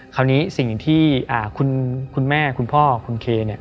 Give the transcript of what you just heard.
คราวนี้สิ่งที่คุณแม่คุณพ่อคุณเคเนี่ย